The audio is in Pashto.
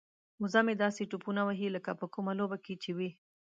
وزه مې داسې ټوپونه وهي لکه په کومه لوبه کې چې وي.